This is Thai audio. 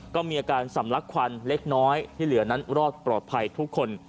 ก็มีอาการสำลักควันเล็กน้อยที่เหลือนั้นรอดปลอดภัยทุกคน